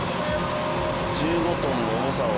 １５トンの重さを。